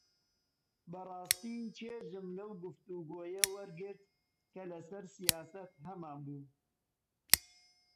بەڕاستی چێژم لەو گفتوگۆیە وەرگرت کە لەسەر سیاسەت هەمانبوو.